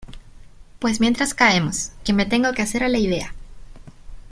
pues mientras caemos, que me tengo que hacer a la idea